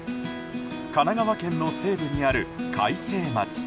神奈川県の西部にある開成町。